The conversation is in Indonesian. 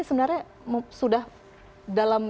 sebenarnya sudah dalam